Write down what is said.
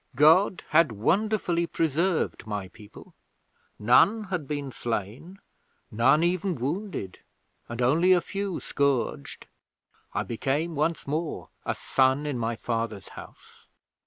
God had wonderfully preserved my people. None had been slain, none even wounded, and only a few scourged. I became once more a son in my father's house.